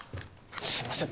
すいません